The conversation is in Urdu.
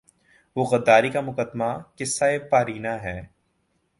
وہ غداری کا مقدمہ قصۂ پارینہ ہے۔